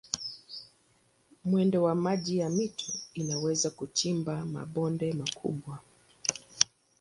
Mwendo wa maji ya mito unaweza kuchimba mabonde makubwa.